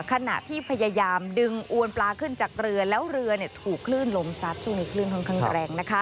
ขณะที่พยายามดึงอวนปลาขึ้นจากเรือแล้วเรือถูกคลื่นลมซัดช่วงนี้คลื่นค่อนข้างแรง